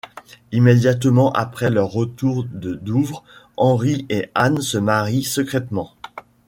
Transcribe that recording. Immédiatement après leur retour de Douvres, Henri et Anne se marient secrètement.